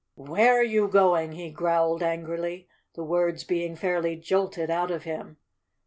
"Where are you going?" he growled angrily, the words being fairly jolted out of him.